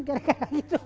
gak ada kaya gitu